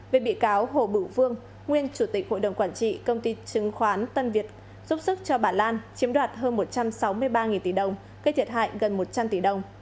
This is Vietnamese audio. về bị cáo hồ bửu vương nguyên chủ tịch hội đồng quản trị công ty chứng khoán tân việt giúp sức cho bà lan chiếm đoạt hơn một trăm sáu mươi ba tỷ đồng gây thiệt hại gần một trăm linh tỷ đồng